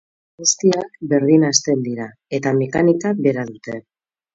Bideo guztiak berdin hasten dira, eta mekanika bera dute.